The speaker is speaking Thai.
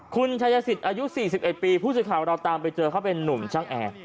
คุณชายสิทธิ์อายุ๔๑ปีผู้สื่อข่าวเราตามไปเจอเขาเป็นนุ่มช่างแอร์